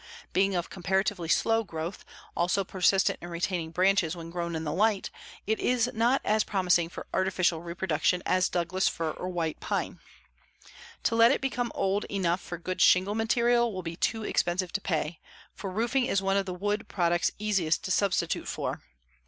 Being of comparatively slow growth, also persistent in retaining branches when grown in the light, it is not as promising for artificial reproduction as Douglas fir or white pine. To let it become old enough for good shingle material will be too expensive to pay, for roofing is one of the wood products easiest to substitute for.